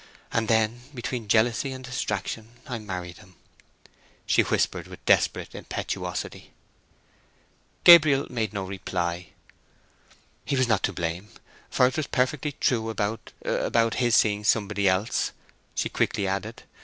"And then, between jealousy and distraction, I married him!" she whispered with desperate impetuosity. Gabriel made no reply. "He was not to blame, for it was perfectly true about—about his seeing somebody else," she quickly added.